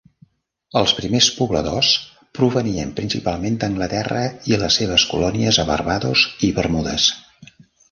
Els primers pobladors provenien principalment d'Anglaterra i les seves colònies a Barbados i Bermudes.